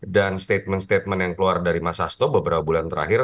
dan statement statement yang keluar dari masasto beberapa bulan terakhir